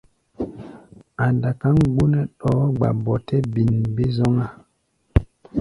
A̧ dakáʼm gbonɛ́ ɗɔɔ́ gba ɓɔtɛ́-bin-bé-zɔ́ŋá.